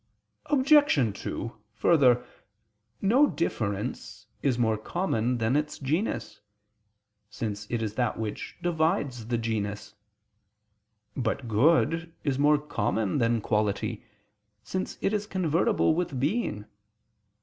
Obj. 2: Further, no difference is more common than its genus; since it is that which divides the genus. But good is more common than quality, since it is convertible with being.